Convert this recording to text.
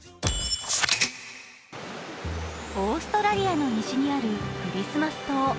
オーストラリアの西にあるクリスマス島。